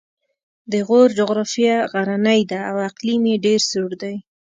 د غور جغرافیه غرنۍ ده او اقلیم یې ډېر سوړ دی